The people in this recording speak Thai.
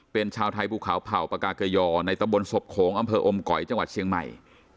เป็นชาวไทยภูเขาเผ่าปากาเกยอในตะบนศพโขงอำเภออมก๋อยจังหวัดเชียงใหม่